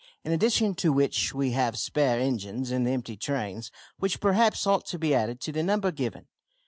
In addition to which we have spare engines and empty trains, which perhaps ought to be added to the number given.